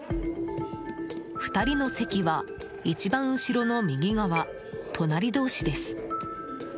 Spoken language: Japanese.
２人の席は一番後ろの右側、隣同士です。